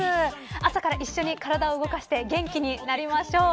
朝から一緒に体を動かして元気になりましょう。